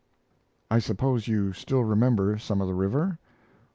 "I suppose you still remember some of the river?"